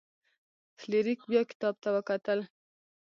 فلیریک بیا کتاب ته وکتل.